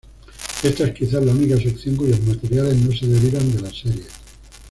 Esta es quizás la única sección cuyos materiales no se derivan de la serie.